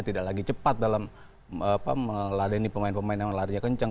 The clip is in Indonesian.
dia cepat dalam meladeni pemain pemain yang larinya kencang